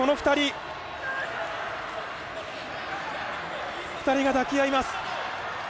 ２人が抱き合います。